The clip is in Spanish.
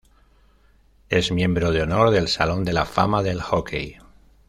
Es miembro de honor del Salón de la Fama del Hockey.